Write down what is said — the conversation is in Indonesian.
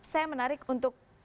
saya menarik untuk